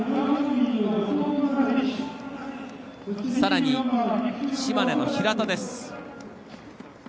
さらに、島根の平田です。